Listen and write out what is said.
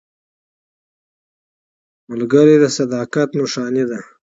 ملګری د صداقت نښه ده